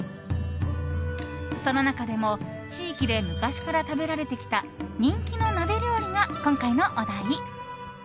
その中でも地域で昔から食べられてきた人気の鍋料理が今回のお題。